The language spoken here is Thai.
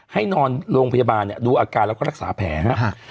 ให้นอนโรงพยาบาลดูอาการแล้วก็รักษาแผลครับ